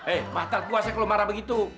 eh mata puasa kalau marah begitu